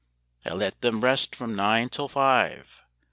I let them rest from nine till five.